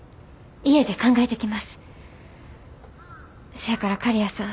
せやから刈谷さん。